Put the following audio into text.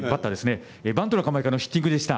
バントの構えからのヒッティングでした。